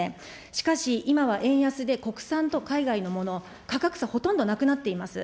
しかし、今は円安で国産と海外のもの、価格差、ほとんどなくなっています。